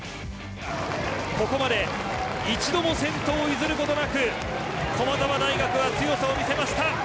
ここまで一度も先頭を譲ることなく、駒澤大学が強さを見せました。